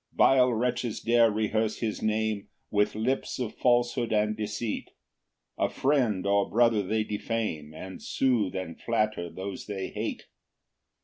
2 Vile wretches dare rehearse his name With lips of falsehood and deceit; A friend or brother they defame, And soothe and flatter those they hate.